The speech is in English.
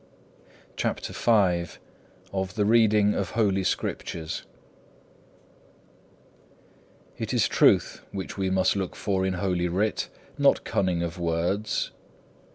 CHAPTER V Of the reading of Holy Scriptures It is Truth which we must look for in Holy Writ, not cunning of words.